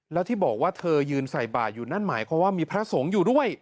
แล้วที่บอกว่าเธอยืนใส่บ่าอยู่นั่นหมายความว่ามีพระสงฆ์อยู่ด้วย